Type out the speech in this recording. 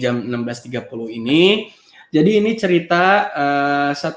satu satunya yang saya ingin ceritakan adalah yang berbeda dengan yang berbeda dengan yang berbeda dengan